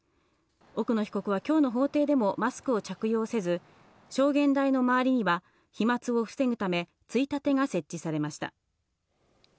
奥野被告は今日の法廷でもマスクを着用せず、証言台の周りには飛沫を防ぐため、衝立が設置されました。